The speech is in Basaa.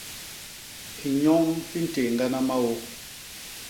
Hinyoñ hi ntééñgana maô.